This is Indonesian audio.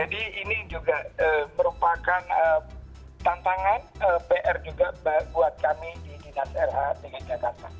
jadi ini juga merupakan tantangan pr juga buat kami di dinas lh dengan jakarta